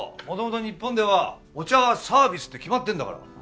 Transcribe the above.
もともと日本ではお茶はサービスって決まってんだから。